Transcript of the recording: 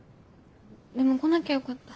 でも来なきゃよかった。